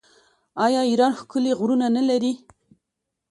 آیا ایران ښکلي غرونه نلري؟